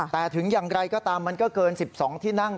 แต่ถึงอย่างไรก็ตามมันก็เกิน๑๒ที่นั่ง